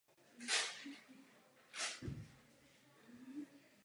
Těchto cílů se nedosahuje sankcemi a přikázanými úspornými opatřeními.